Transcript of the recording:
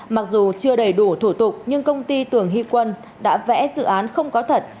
mặc dù chưa đầy đủ thủ tục nhưng công ty tường hy quân đã vẽ dự án không có thật